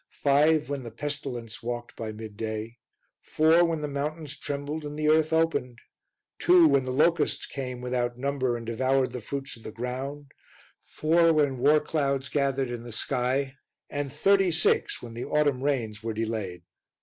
five when the pestilence walked by midday, four when the mountains trembled and the earth opened, two when the locusts came without number and devoured the fruits of the ground, four when war clouds gathered in the sky and thirty six when the autumn rains were delayed.